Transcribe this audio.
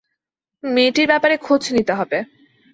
মেয়েটির ব্যাপারে খোঁজ নিতে হবে।